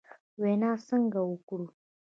وینا څنګه وکړو ؟